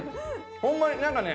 ホンマに何かね